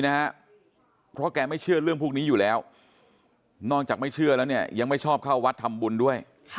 นอกจากไม่เชื่อแล้วเนี่ยยังไม่ชอบเข้าวัดทำบุญนั่นด้วย